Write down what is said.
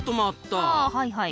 あはいはい。